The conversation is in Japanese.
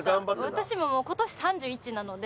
私ももう今年３１なので。